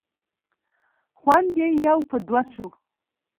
خوند یې یو په دوه شو.